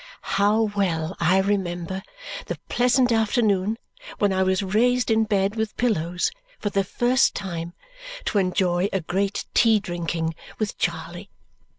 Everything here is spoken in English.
How well I remember the pleasant afternoon when I was raised in bed with pillows for the first time to enjoy a great tea drinking with Charley!